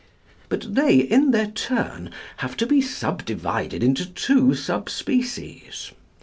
But they, in their turn, have to be subdivided into two sub species.